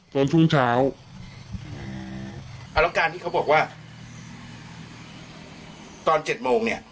ช่วงเช้าเอาแล้วการที่เขาบอกว่าตอนเจ็ดโมงเนี่ย